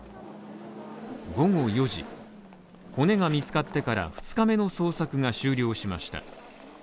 午後４時、骨が見つかってから２日目の捜索が終了しました。